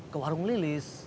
ke warung lilis